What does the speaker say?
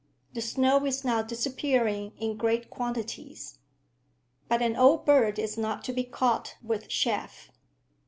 The snow is now disappearing in great quantities." But an old bird is not to be caught with chaff.